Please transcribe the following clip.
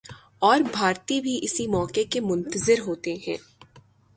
اور بھارتی بھی اسی موقع کے منتظر ہوتے ہیں۔